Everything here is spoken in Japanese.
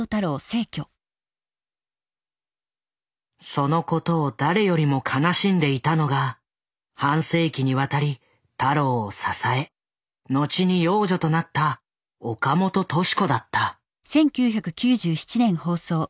そのことを誰よりも悲しんでいたのが半世紀にわたり太郎を支え後に養女となった岡本敏子だった。